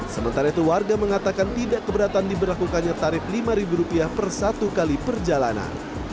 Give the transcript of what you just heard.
sementara itu warga mengatakan tidak keberatan diberlakukannya tarif rp lima per satu kali perjalanan